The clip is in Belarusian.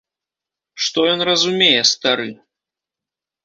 Што ён разумее, стары?